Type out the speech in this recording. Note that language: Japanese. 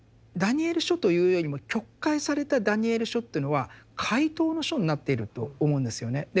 「ダニエル書」というよりも曲解された「ダニエル書」というのは解答の書になっていると思うんですよね。